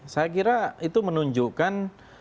saya kira itu menunjukkan